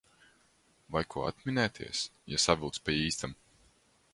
Vai ko atminēties, ja savilks pa īstam?